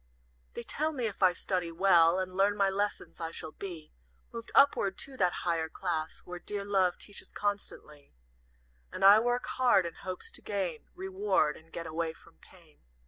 "They tell me if I study well, And learn my lessons, I shall be Moved upward to that higher class Where dear Love teaches constantly; And I work hard, in hopes to gain Reward, and get away from Pain.